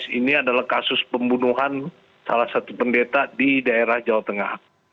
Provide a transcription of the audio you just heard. ini adalah kasus pembunuhan salah satu pendeta di daerah jawa tengah